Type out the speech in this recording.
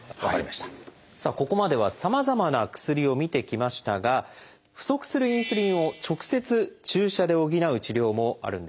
さあここまではさまざまな薬を見てきましたが不足するインスリンを直接注射で補う治療もあるんです。